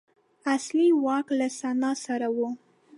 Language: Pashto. اصلي واک له سنا سره و